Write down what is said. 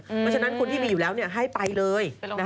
เพราะฉะนั้นคนที่มีอยู่แล้วให้ไปเลย